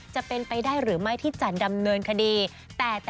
จะเป็นไปได้หรือไม่ที่จะดำเนินคดี